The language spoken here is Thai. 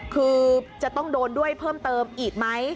คือจะต้องโดนด้วยเพิ่มเติมอีกไหม